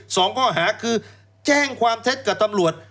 สองข้อหาคือแจ้งความเท็จกับตำรวจ